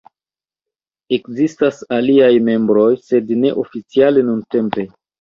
Ekzistas aliaj membroj, sed ne oficiale nuntempe.